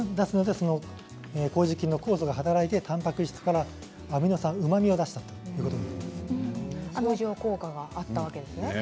こうじ菌の酵素が働いてたんぱく質からアミノ酸うまみを出したということなん相乗効果があったんですね。